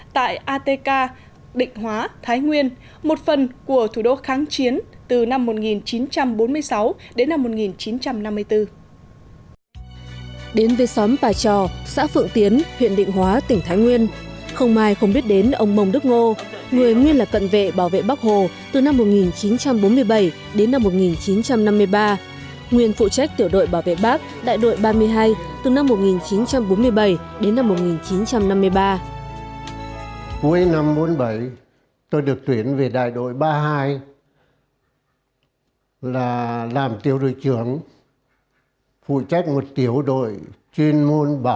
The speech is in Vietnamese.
tại atk định hóa thái nguyên một phần của thủ đô kháng chiến từ năm một nghìn chín trăm bốn mươi sáu đến năm một nghìn chín trăm năm mươi bốn